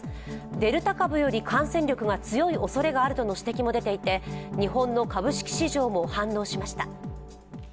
デルタ株より感染力が強いおそれがあるとの指摘も出ていて日本の株式市場も反応しました。